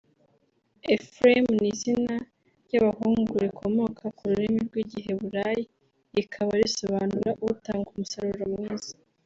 Ephraim ni izina ry’abahungu rikomoka ku rurimi rw’Igiheburayi rikaba risobanura “Utanga umusaruro mwiza”